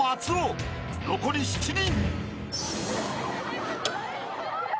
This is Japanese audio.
［残り７人］